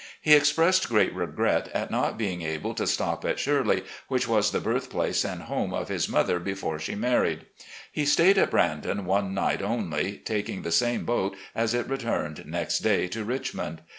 He expressed great regret at not being able to stop at "Shirley," which was the birthplace and home of his mother before she married. He stayed at "Brandon" one night only, taking the same boat as it returned next day to Richmond.